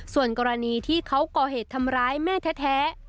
ส่วนกรณีที่เขาก่อเหตุทำร้ายแม่แท้